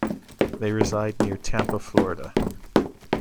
They reside near Tampa, Florida.